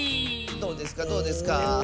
どうですかどうですか？